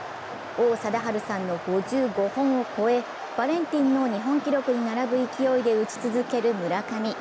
王貞治さんの５５本を超え、バレンティンの日本記録に並ぶ勢いで打ち続ける村上。